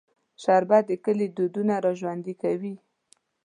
شربت د کلي دودونه راژوندي کوي